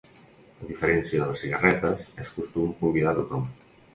A diferència de les cigarretes, és costum convidar a tothom.